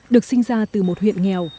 được sinh ra từ một huyện nghèo